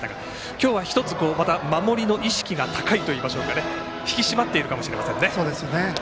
今日は１つ、守りの意識が高いといいますかね引き締まっているかもしれません。